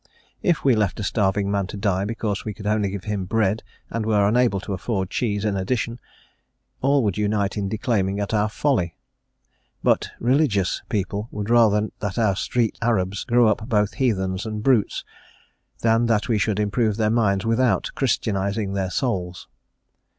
If we left a starving man to die because we could only give him bread, and were unable to afford cheese in addition, all would unite in declaiming at our folly: but "religious" people would rather that our street Arabs grew up both heathens and brutes, than that we should improve their minds without Christianizing their souls.